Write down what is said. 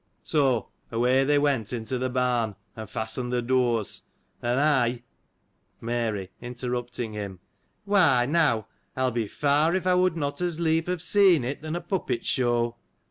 So, away they went into the barn, and fastened the doors : and I— — Mary. — (Interrupting him.) Why, now, I'll be far'' if I would not as lief have seen it than a puppet show.